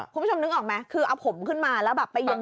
คุณผู้ชมนึกออกไหมคือเอาผมขึ้นมาแล้วแบบไปยม